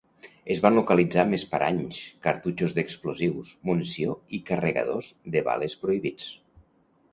Es van localitzar més paranys, cartutxos d'explosius, munició i carregadors de bales prohibits.